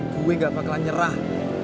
gue nggak bakalan nyerah